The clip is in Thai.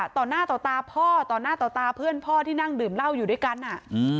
ต่อหน้าต่อตาพ่อต่อหน้าต่อตาเพื่อนพ่อที่นั่งดื่มเหล้าอยู่ด้วยกันอ่ะอืม